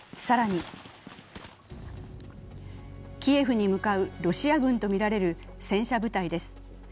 更にキエフに向かうロシア軍とみられる戦車部隊です。